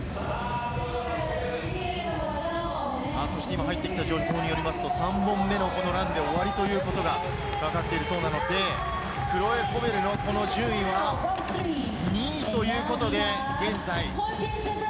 今入ってきた情報によりますと３本目のランで終わりということがわかっているそうなので、クロエ・コベルのこの順位は２位ということで、現在。